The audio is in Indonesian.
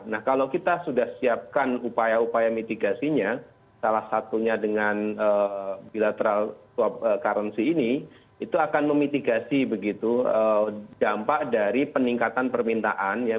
nah kalau kita sudah siapkan upaya upaya mitigasinya salah satunya dengan bilateral swab currency ini itu akan memitigasi begitu dampak dari peningkatan permintaan ya